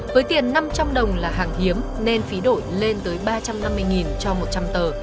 với tiền năm trăm linh đồng là hàng hiếm nên phí đổi lên tới ba trăm năm mươi cho một trăm linh tờ